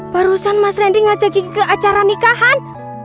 barusan mas rendy ngajak gigi ke acara nikahan